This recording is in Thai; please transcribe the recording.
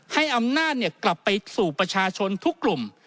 ให้อำนาจกลับไปสู่ประชาชนทุกกลุ่ม